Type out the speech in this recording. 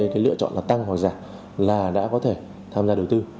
cái lựa chọn là tăng hàng giả là đã có thể tham gia đầu tư